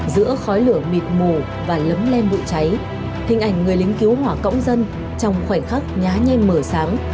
giữa khói lửa mịt mù và lấm lem bụi cháy hình ảnh người lính cứu hỏa cõng dân trong khoảnh khắc nhá nhanh mờ sáng